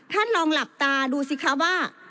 ท่านลองหลับตาดูสิคะว่า